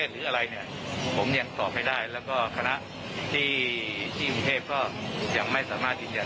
แต่ว่าถ้าที่จะออกมาจากนอกประเทศหรืออะไรเนี่ย